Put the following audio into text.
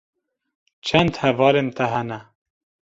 Çend hevalên te hene?